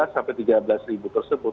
dua belas sampai tiga belas tersebut